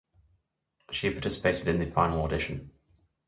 She participated in the final audition.